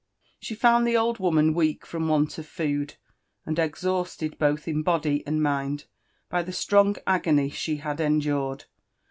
Sh€ fo^^nfd the old woman weak from want of food, and eihaxmfeJ IwJfh ^ body and mtnd by the strong agony she hflid enduted.